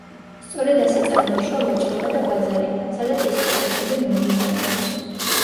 სწორედ ასე წარმოიშვა ვაჭრობა და ბაზარი, სადაც ეს პროცესები მიმდინარეობს.